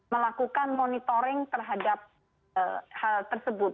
melakukan monitoring terhadap hal tersebut